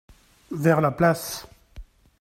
Vers la place.